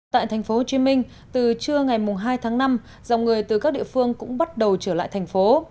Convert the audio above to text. tại thành phố hồ chí minh từ trưa ngày hai tháng năm dòng người từ các địa phương cũng bắt đầu trở lại thành phố